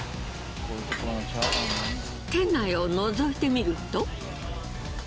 店内をのぞいてみると。